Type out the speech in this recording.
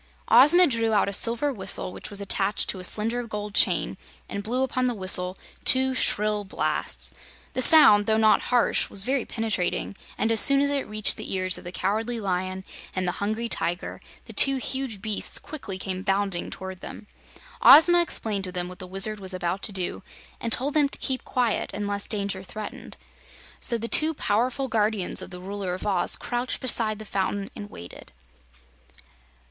Ozma drew out a silver whistle which was attached to a slender gold chain and blew upon the whistle two shrill blasts. The sound, though not harsh, was very penetrating, and as soon as it reached the ears of the Cowardly Lion and the Hungry Tiger, the two huge beasts quickly came bounding toward them. Ozma explained to them what the Wizard was about to do, and told them to keep quiet unless danger threatened. So the two powerful guardians of the Ruler of Oz crouched beside the fountain and waited.